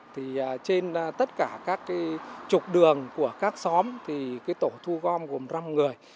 trên tất cả các trục đường của các xóm tổ thu gom gồm năm người